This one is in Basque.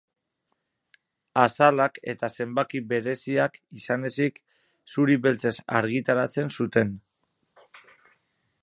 Azalak eta zenbaki bereziak izan ezik, zuri-beltzez argitaratzen zuten.